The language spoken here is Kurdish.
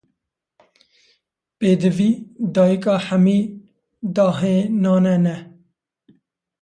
Pêdivî, dayîka hemî dahênanan e.